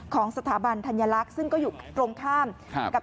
ของสถาบันธัญลักษณ์ซึ่งก็อยู่ตรงข้ามกับ